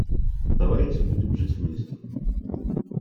Давайте — будем жить вместе!